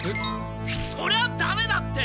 それはダメだって！